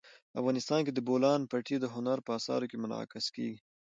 افغانستان کې د بولان پټي د هنر په اثار کې منعکس کېږي.